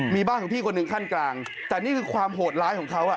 มีบ้านของพี่คนหนึ่งขั้นกลางแต่นี่คือความโหดร้ายของเขา